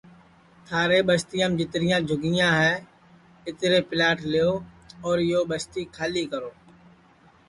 تھارے اِس بستِیام جِترِیاں جھوپڑیاں ہے اِترے پِلاٹ لیؤ اور یو بستی کھالی کرو